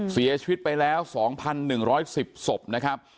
เสียชีวิตไปแล้ว๒๑๑๐ศพนะครับ